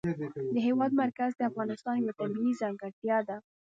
د هېواد مرکز د افغانستان یوه طبیعي ځانګړتیا ده.